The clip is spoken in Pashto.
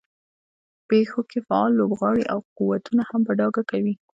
په پېښو کې فعال لوبغاړي او قوتونه هم په ډاګه کوي.